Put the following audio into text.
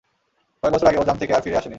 কয়েকবছর আগে, ও জাম্প থেকে আর ফিরে আসেনি।